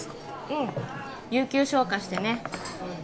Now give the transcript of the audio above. うん有休消化してね